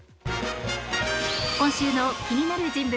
今週の気になる人物